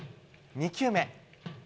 ２球目。